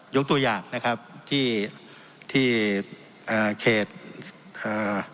ยกตัวอย่างนะครับที่ที่อ่าเขตอ่า